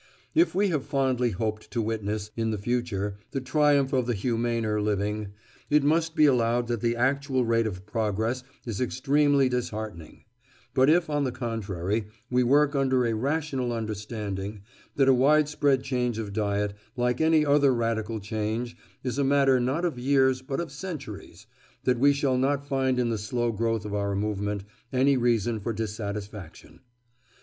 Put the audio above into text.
If we have fondly hoped to witness, in the future, the triumph of the humaner living, it must be allowed that the actual rate of progress is extremely disheartening; but if, on the contrary, we work under a rational understanding that a widespread change of diet, like any other radical change, is a matter not of years but of centuries, then we shall not find in the slow growth of our movement any reason for dissatisfaction.